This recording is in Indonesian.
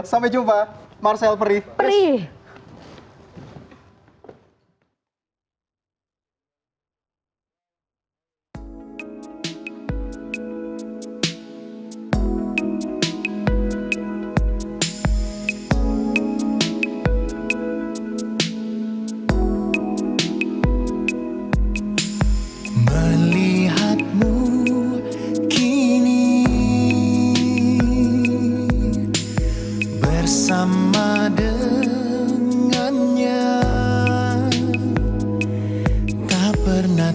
sampai jumpa marsha perih